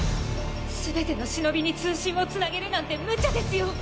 すべての忍に通信をつなげるなんて無茶ですよ！